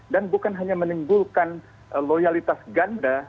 dan bukan hanya menimbulkan loyalitas ganda